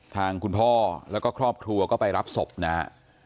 ทางคุณพ่อแล้วก็ครอบครัวก็ไปรับศพนะฮะ